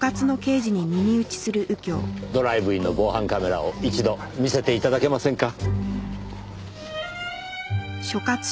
ドライブインの防犯カメラを一度見せて頂けませんか？